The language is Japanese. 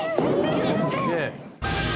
すげえ！